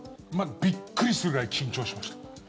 びっくりするぐらい緊張しました。